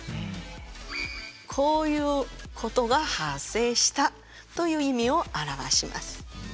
こういうことが発生したという意味を表します。